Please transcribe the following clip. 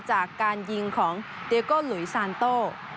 จากการยิงของเตียโก้หลุยซานโต้